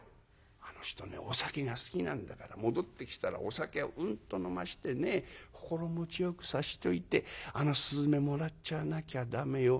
「あの人ねお酒が好きなんだから戻ってきたらお酒をうんと飲ましてね心持ちよくさしといてあの雀もらっちゃわなきゃ駄目よ」。